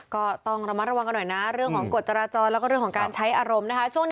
ก็ต้องระมัดระวังกันหน่อยนะเรื่องของกฎจราจรแล้วก็เรื่องของการใช้อารมณ์นะคะ